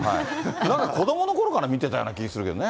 なんか子どものころから見てたような気がするけどね。